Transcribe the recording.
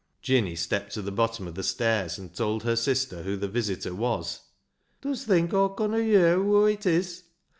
Jinny stepped to the bottom of the stairs and told her sister who the visitor was. " Dust think Aw conna yer whoa it is?